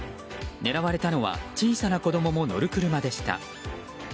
狙われたのは小さな子供も乗る車でした。